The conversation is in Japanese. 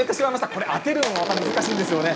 これ当てるのがまた難しいんですよね。